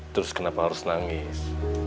terus kenapa harus nangis